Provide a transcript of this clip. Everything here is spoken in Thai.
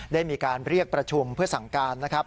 ได้มีการเรียกประชุมเพื่อสั่งการนะครับ